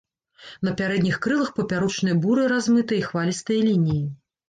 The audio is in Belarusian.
На пярэдніх крылах папярочныя бурыя размытыя і хвалістыя лініі.